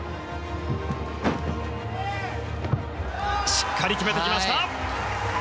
しっかり決めてきました！